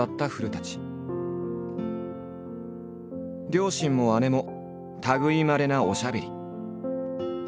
両親も姉も類いまれなおしゃべり。